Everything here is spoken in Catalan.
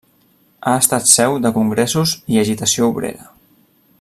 Ha estat seu de congressos i agitació obrera.